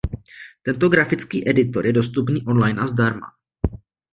Tento grafický editor je dostupný online a zdarma.